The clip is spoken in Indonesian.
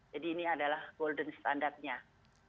jadi ini adalah golden standardnya makasih